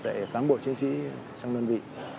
với cám bộ chiến sĩ trong đơn vị